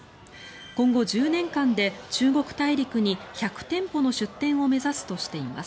今後、１０年間で中国大陸に１００店舗の出店を目指すとしています。